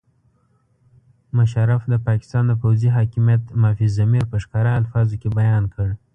مشرف د پاکستان د پوځي حاکمیت مافي الضمیر په ښکاره الفاظو کې بیان کړ.